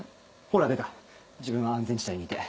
ほら出た自分は安全地帯にいて。